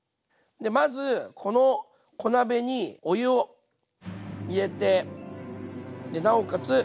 まずこの小鍋にお湯を入れてなおかつ